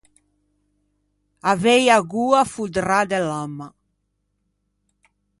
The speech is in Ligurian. Avei a goa foddrâ de lamma.